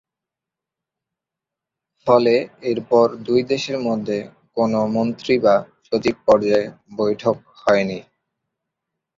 ফলে এরপর দুই দেশের মধ্যে কোন মন্ত্রী বা সচিব পর্যায়ে বৈঠক হয়নি।